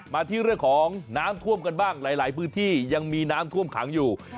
มาที่เรื่องของน้ำท่วมกันบ้างหลายพื้นที่ยังมีน้ำท่วมขังอยู่